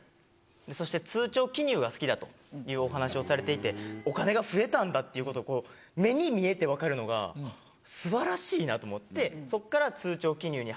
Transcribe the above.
そして通帳記入が好きだというお話をされていてお金が増えたんだっていうことを目に見えて分かるのが素晴らしいなと思ってそこから。